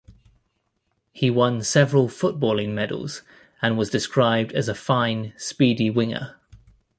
He won several footballing medals, and was described as a 'fine, speedy winger'.